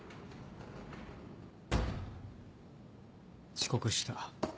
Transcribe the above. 遅刻した。